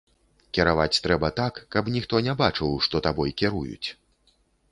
Кіраваць трэба так, каб ніхто не бачыў, што табой кіруюць.